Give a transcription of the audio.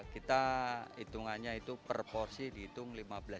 kita hitungannya itu per porsi dihitung lima belas